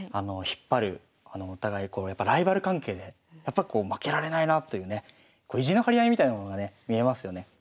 引っ張るお互いこうやっぱライバル関係でやっぱこう負けられないなというね意地の張り合いみたいなものがね見えますよね。